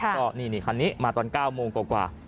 ปอล์กับโรเบิร์ตหน่อยไหมครับ